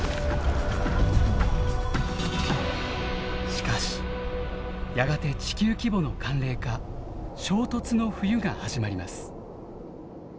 しかしやがて地球規模の寒冷化衝突の冬が始まります。